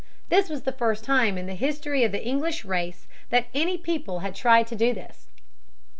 This was the first time in the history of the English race that any people had tried to do this.